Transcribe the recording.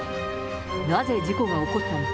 なぜ事故は起こったのか。